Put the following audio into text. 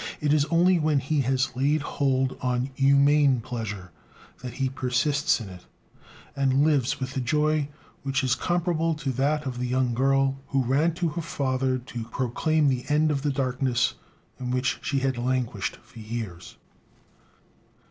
It is only when he has laid hold on "humane pleasure" that he persists in it, and lives with a joy which is comparable to that of the young girl who ran to her father to proclaim the end of the darkness in which she had languished for years.